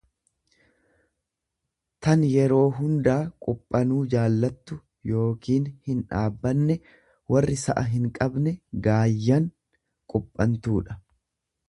tan yeroo hundaa quphanuu jaallattu yookiin hindhaabbanne; Warri sa'a hinqabne gaayyan quphantuudha.